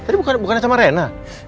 tadi bukannya sama rena